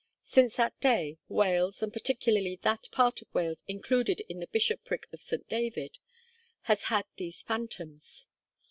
Since that day, Wales, and particularly that part of Wales included in the bishopric of St. David, has had these phantoms.